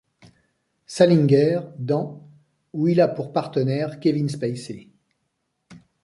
Salinger dans ', où il a pour partenaire Kevin Spacey.